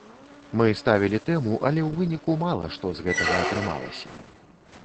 Мы ставілі тэму, але ў выніку мала што з гэтага атрымалася.